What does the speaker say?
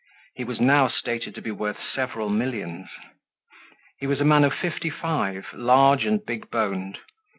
He was now stated to be worth several millions. He was a man of fifty five, large and big boned.